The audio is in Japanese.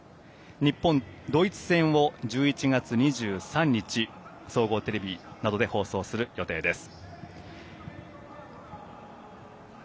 日本、ドイツ戦を１１月２３日、総合テレビなどで放送する予定です。